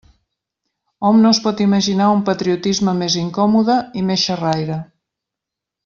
Hom no es pot imaginar un patriotisme més incòmode i més xerraire.